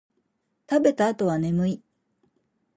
食べた後は眠い